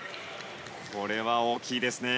これは大きいですね。